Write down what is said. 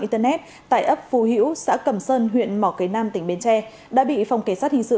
internet tại ấp phù hữu xã cẩm sơn huyện mỏ cấy nam tỉnh bến tre đã bị phòng kỳ sát hình sự